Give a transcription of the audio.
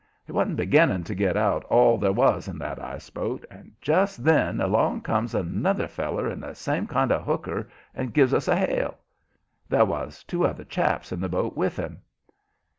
He wasn't beginning to get out all there was in that ice boat. And just then along comes another feller in the same kind of hooker and gives us a hail. There was two other chaps on the boat with him.